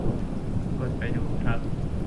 กดไปดูครับ